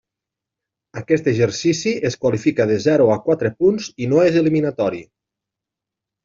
Aquest exercici es qualifica de zero a quatre punts i no és eliminatori.